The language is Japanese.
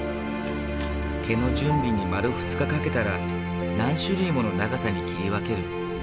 毛の準備に丸２日かけたら何種類もの長さに切り分ける。